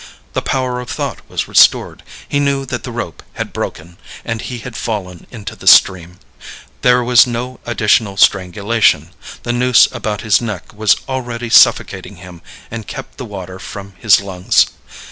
The power of thought was restored; he knew that the rope had broken and he had fallen into the stream. There was no additional strangulation; the noose about his neck was already suffocating him and kept the water from his lungs.